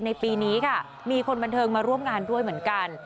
ในปีนี้ค่ะมีคนบันเทิงมาร่วมงานด้วยเหมือนกัน